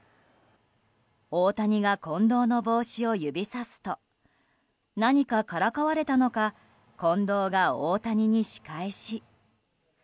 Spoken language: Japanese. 大谷が近藤の帽子を指さすと何かからかわれたのか近藤が大谷に仕返し。